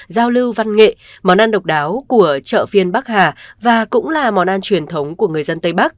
giao lưu văn nghệ món ăn độc đáo của chợ phiên bắc hà và cũng là món ăn truyền thống của người dân tây bắc